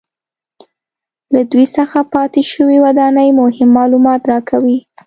له دوی څخه پاتې شوې ودانۍ مهم معلومات راکوي